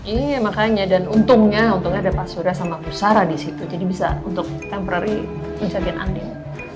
iya makanya dan untungnya untungnya ada pak surya sama bu sara di situ jadi bisa untuk temporary pingsanin andin